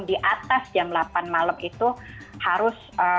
di atas jam delapan malam itu harus